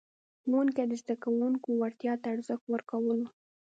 ښوونکي د زده کوونکو وړتیا ته ارزښت ورکولو.